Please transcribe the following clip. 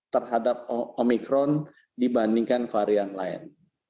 terhadap omikron dibandingkan varian lain